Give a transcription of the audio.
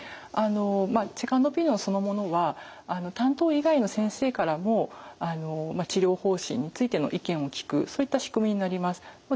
セカンドオピニオンそのものは担当以外の先生からも治療方針についての意見を聞くそういった仕組みになります。